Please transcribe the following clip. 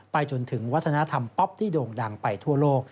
จนถึงวัฒนธรรมป๊อปที่โด่งดังไปทั่วโลก